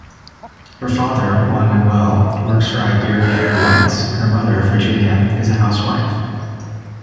Her father, Juan Manuel, works for Iberia Airlines; her mother, Virginia, is a housewife.